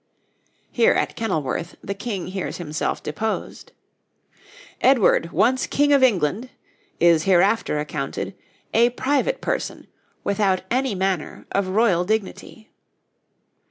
Here at Kenilworth the King hears himself deposed. 'Edward, once King of England,' is hereafter accounted 'a private person, without any manner of royal dignity.'